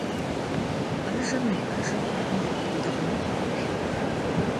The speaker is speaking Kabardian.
Bajjer nıbajje xhume, dığemıxhue melhıxhue.